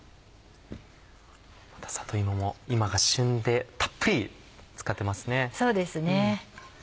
また里芋も今が旬でたっぷり使ってますね。